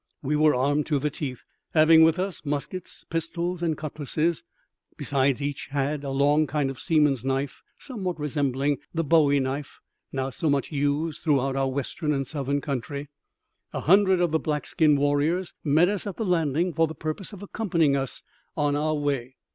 We were armed to the teeth, having with us muskets, pistols, and cutlasses; besides, each had a long kind of seaman's knife, somewhat resembling the bowie knife now so much used throughout our western and southern country. A hundred of the black skin warriors met us at the landing for the purpose of accompanying us on our way.